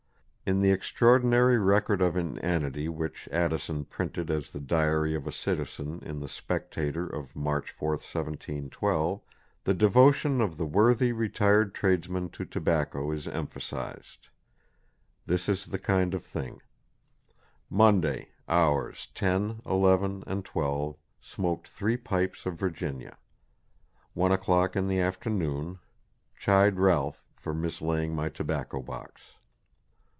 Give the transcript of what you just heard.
In the extraordinary record of inanity which Addison printed as the diary of a citizen in the Spectator of March 4, 1712, the devotion of the worthy retired tradesman to tobacco is emphasized. This is the kind of thing: "Monday ... Hours 10, 11 and 12 Smoaked three Pipes of Virginia ... one o'clock in the afternoon, chid Ralph for mislaying my Tobacco Box....